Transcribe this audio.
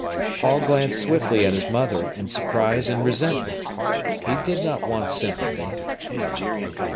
Paul glanced swiftly at his mother in surprise and resentment. He did not want sympathy.